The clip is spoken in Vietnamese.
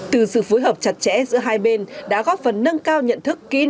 từ sự phối hợp chặt chẽ giữa hai bên đã góp phần nâng cao nhận thức kỹ năng